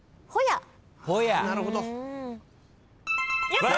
やった！